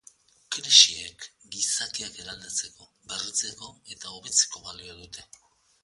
Krisiek gizakiak eraldatzeko, berritzeko eta hobetzeko balio dute.